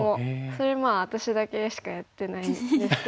それ私だけしかやってないんですけど。